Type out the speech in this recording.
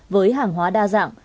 với hàng hóa đa dạng